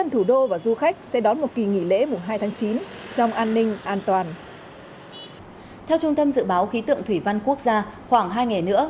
theo trung tâm dự báo khí tượng thủy văn quốc gia khoảng hai ngày nữa